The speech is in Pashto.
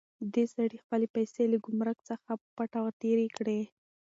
دې سړي خپلې پیسې له ګمرک څخه په پټه تېرې کړې.